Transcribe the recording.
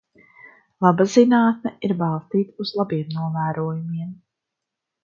Laba zinātne ir balstīta uz labiem novērojumiem.